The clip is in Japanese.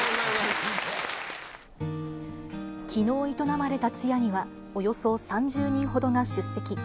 きのう営まれた通夜には、およそ３０人ほどが出席。